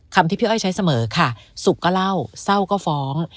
ที่พี่อ้อยใช้เสมอค่ะสุขก็เล่าเศร้าก็ฟ้อง